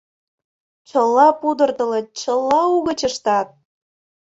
Чыла пудыртылыт, чыла угыч ыштат.